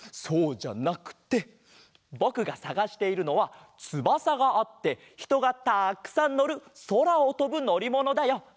そうじゃなくてぼくがさがしているのはつばさがあってひとがたくさんのるそらをとぶのりものだよ。